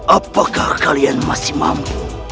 apakah kalian masih mampu